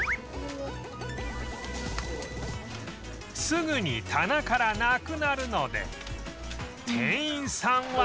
すぐに棚からなくなるので店員さんは